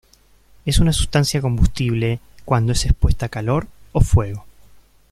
Es una sustancia combustible cuando es expuesta a calor o fuego.